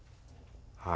はい。